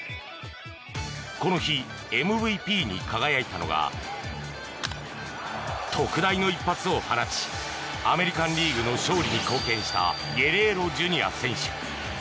この日、ＭＶＰに輝いたのが特大の一発を放ちアメリカン・リーグの勝利に貢献したゲレーロＪｒ．選手。